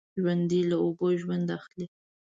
ژوندي له اوبو ژوند اخلي